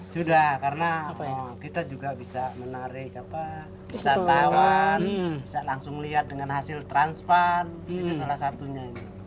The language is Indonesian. sudah karena kita juga bisa menarik wisatawan bisa langsung lihat dengan hasil transfer itu salah satunya